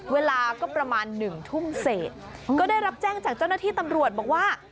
เวลาก็ประมาณหนึ่งทุ่มเศษก็ได้รับแจ้งจากเจ้าหน้าที่ตำรวจบอกว่า